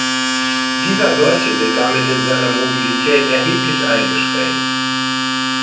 Dieser Deutsche wird damit in seiner Mobilität erheblich eingeschränkt.